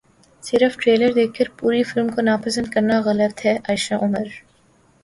صرف ٹریلر دیکھ کر پوری فلم کو ناپسند کرنا غلط ہے عائشہ عمر